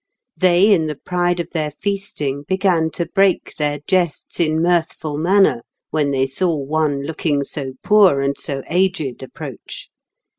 They in the pride of their feasting began to break their jests in mirthful manner, when they saw one looking so poor and so aged approach.